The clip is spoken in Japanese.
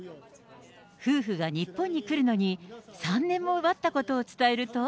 夫婦が日本に来るのに３年も待ったことを伝えると。